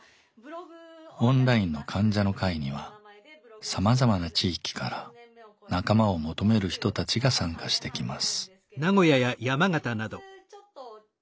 オンラインの患者の会にはさまざまな地域から仲間を求める人たちが参加してきます。